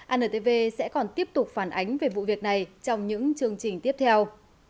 antv sẽ còn tiếp tục phản ánh về vụ việc này trong những chương trình tiếp theo